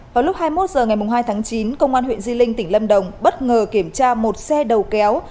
vào lúc hai mươi một h ngày hai tháng chín công an huyện di linh tỉnh lâm đồng bất ngờ kiểm tra một xe đầu kéo